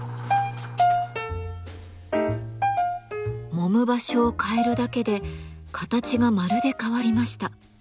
もむ場所を変えるだけで形がまるで変わりました。